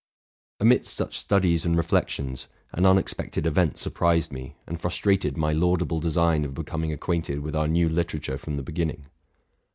Amidst such studies and reflections, an unexpected event surprised me, and frustrated my laudable design of becom ing acquainted with our new literature from the beginning.